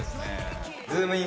ズームイン！！